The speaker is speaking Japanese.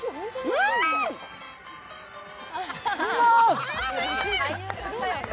うまーい！